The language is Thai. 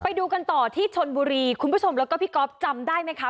ไปดูกันต่อที่ชนบุรีคุณผู้ชมแล้วก็พี่ก๊อฟจำได้ไหมคะ